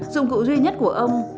dụng cụ duy nhất của ông